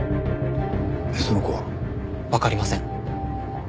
その子は？わかりません。